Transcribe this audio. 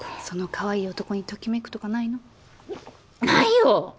そのかわいい男にときめくとかないの？ないよ！